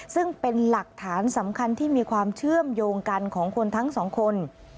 ซึ่งเป็นหลักฐานสำคัญที่มีความเชื่อมโยงกันของคนทั้งสองคน